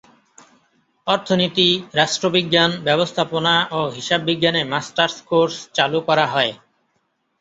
অর্থনীতি, রাষ্ট্রবিজ্ঞান, ব্যবস্থাপনা ও হিসাববিজ্ঞানে মাস্টার্স কোর্স চালু করা হয়।